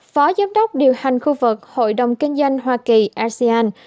phó giám đốc điều hành khu vực hội đồng kinh doanh hoa kỳ asean